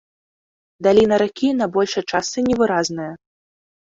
Даліна ракі на большай частцы невыразная.